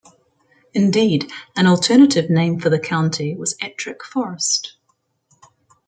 Indeed, an alternative name for the county was Ettrick Forest.